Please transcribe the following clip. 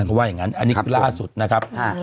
เขาว่าอย่างนั้นอันนี้คือล่าสุดนะครับ